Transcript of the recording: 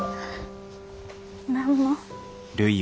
何も。